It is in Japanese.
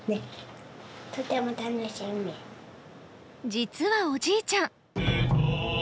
実はおじいちゃん。